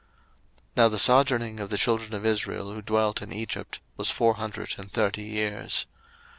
02:012:040 Now the sojourning of the children of Israel, who dwelt in Egypt, was four hundred and thirty years.